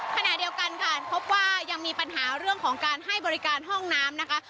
ขณะเดียวกันค่ะพบว่ายังมีปัญหาเรื่องของการให้บริการห้องน้ำนะคะ